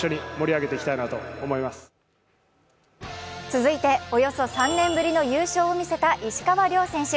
続いて、およそ３年ぶりの優勝を見せた石川遼選手。